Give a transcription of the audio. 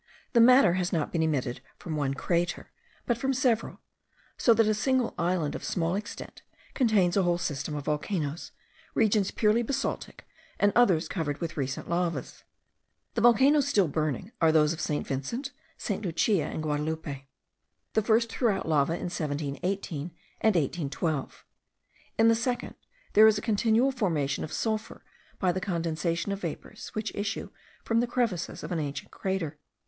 The matter has not been emitted from one crater, but from several; so that a single island of small extent contains a whole system of volcanoes, regions purely basaltic, and others covered with recent lavas. The volcanoes still burning are those of St. Vincent, St. Lucia, and Guadaloupe. The first threw out lava in 1718 and 1812; in the second there is a continual formation of sulphur by the condensation of vapours, which issue from the crevices of an ancient crater.